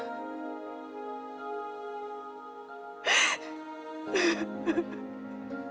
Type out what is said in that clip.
nanti ibu mau pelangi